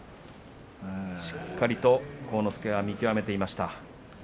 しっかりと晃之助が見極めていました。